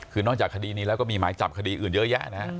คือนอกจากคดีนี้แล้วก็มีหมายจับคดีอื่นเยอะแยะนะฮะ